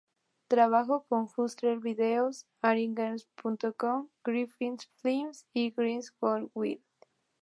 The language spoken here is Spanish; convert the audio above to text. Trabajó con Hustler Video, Allgirlmassage.com, Girlfriends Films y Girls Gone Wild.